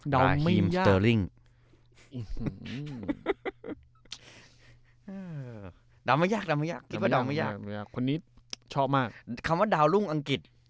ดาวรุ่งไม่ยากดาวรุ่งไม่ยากดาวรุ่งไม่ยากคนนี้ชอบมากคำว่าดาวรุ่งอังกฤษ